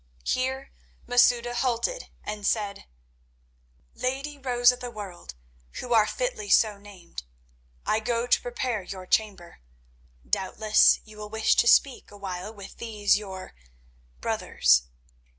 Here Masouda halted and said: "Lady Rose of the World, who are fitly so named, I go to prepare your chamber. Doubtless you will wish to speak awhile with these your—brothers.